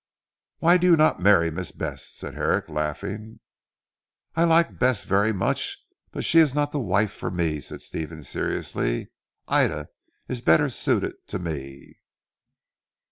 "Why do you not marry Miss Bess?" said Herrick laughing. "I like Bess very much, but she is not the wife for me," said Stephen seriously. "Ida is better suited to me."